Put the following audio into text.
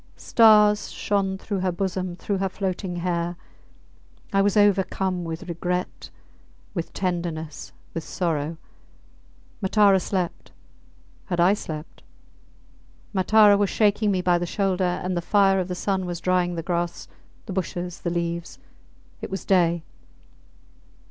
Stars shone through her bosom, through her floating hair. I was overcome with regret, with tenderness, with sorrow. Matara slept ... Had I slept? Matara was shaking me by the shoulder, and the fire of the sun was drying the grass, the bushes, the leaves. It was day.